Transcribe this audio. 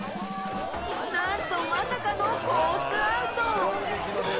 何と、まさかのコースアウト。